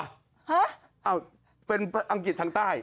ฮะอ้าวเป็นอังกฤษทางใต้